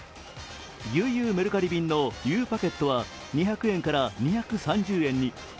ゆうゆうメルカリ便のゆうパケットは２００円から２３０円に。